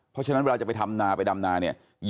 เพราะฉะนั้นเวลาจะไปทำนาไปดำนาเนี่ย